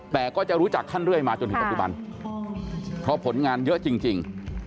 แต่ก็จะรู้จักท่านเรื่อยมาจนถึงปัจจุบันเพราะผลงานเยอะจริง